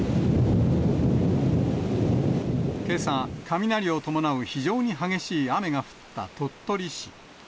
けさ、雷を伴う非常に激しい雨が降った鳥取市。